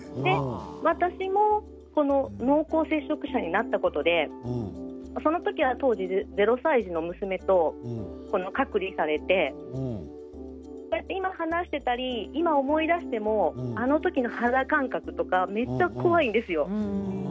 私も濃厚接触者になったことで当時０歳児の娘と隔離されて今、話していたり今、思い出してもあのときの肌感覚とかめっちゃ怖いんですよ。